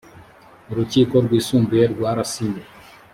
urukiko rwisumbuye rwarasinye.